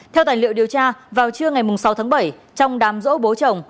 theo tài liệu điều tra vào trưa ngày sáu tháng bảy trong đám rỗ bố chồng